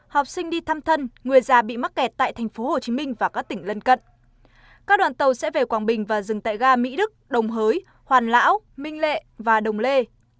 học sinh đi thăm thân người già bị mắc kẹt tại tp hcm và các tỉnh lân cận các đoàn tàu sẽ về quảng bình và dừng tại ga mỹ đức đồng hới hoàn lão minh lệ và đồng lê